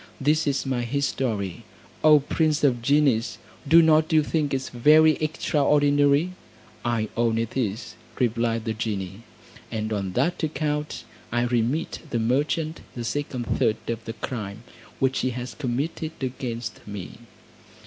This is my history, O prince of genies! do not you think it very extraordinary?" "I own it is," replied the genie, "and on that account I remit the merchant the second third of the crime which he has committed against me."